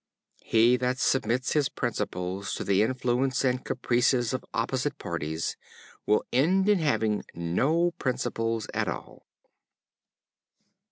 He that submits his principles to the influence and caprices of opposite parties will end in having no principles at all.